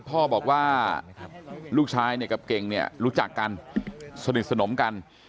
พ่อบอกว่าลูกชายเนี่ยกับเก่งเนี่ยรู้จักกันสนิทสนมกัน